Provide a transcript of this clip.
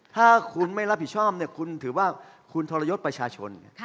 ถ้าคุณไม่รับผิดชอบคุณถือว่าคุณทรยศประชาชน